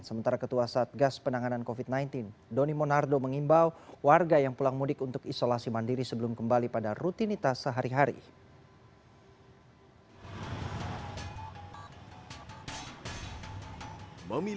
sementara ketua satgas penanganan covid sembilan belas doni monardo mengimbau warga yang pulang mudik untuk isolasi mandiri sebelum kembali pada rutinitas sehari hari